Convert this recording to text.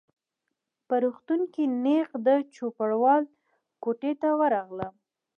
په روغتون کي نیغ د چوپړوال کوټې ته ورغلم.